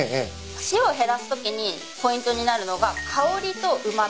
塩を減らすときにポイントになるのが香りとうま味。